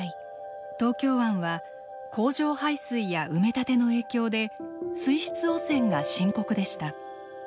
東京湾は工場排水や埋め立ての影響で水質汚染が深刻でした。